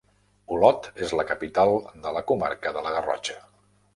Olot és la capital de la comarca de la Garrotxa.